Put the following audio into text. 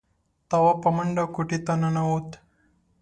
تواب په منډه کوټې ته ننوت.